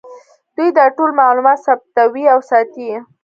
دوی دا ټول معلومات ثبتوي او ساتي یې